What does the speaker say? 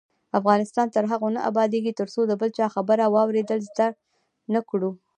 افغانستان تر هغو نه ابادیږي، ترڅو د بل چا خبره واوریدل زده نکړو.